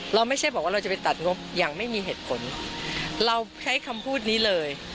ไม่ใช่บอกว่าเราจะไปตัดงบอย่างไม่มีเหตุผลเราใช้คำพูดนี้เลย